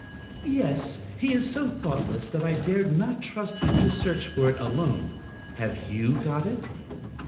"Yes; he is so thoughtless that I dared not trust him to search for it alone. Have you got it?"